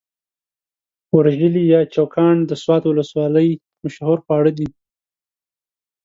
ورژلي يا چوکاڼ د سوات ولسوالۍ مشهور خواړه دي.